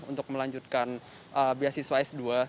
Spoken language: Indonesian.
untuk melanjutkan beasiswa s dua